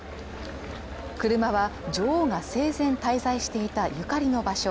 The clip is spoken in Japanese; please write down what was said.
車は女王が生前滞在していたゆかりの場所